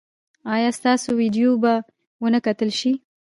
ایا ستاسو ویډیو به و نه کتل شي؟